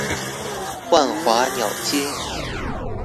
萬華鳥街